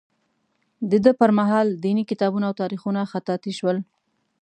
د ده پر مهال دیني کتابونه او تاریخونه خطاطي شول.